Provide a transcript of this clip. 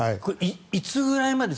いつくらいまで。